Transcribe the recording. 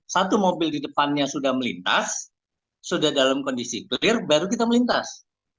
satu mobil di depannya sudah melintas sudah dalam kondisi clear baru kita melintas